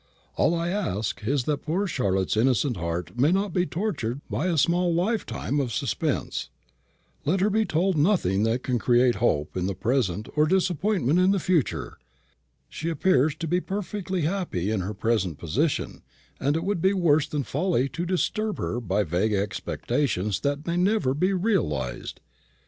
All I ask is, that poor Charlotte's innocent heart may not be tortured by a small lifetime of suspense. Let her be told nothing that can create hope in the present or disappointment in the future. She appears to be perfectly happy in her present position, and it would be worse than folly to disturb her by vague expectations that may never be realised.